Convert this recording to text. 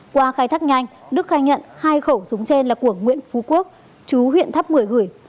qua khai thác nhanh đức khai nhận hai khẩu súng trên là của nguyễn phú quốc chú huyện tháp một mươi gửi